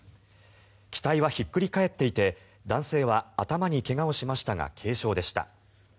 機体はひっくり返っていて男性は頭に怪我をしましたが軽傷でした。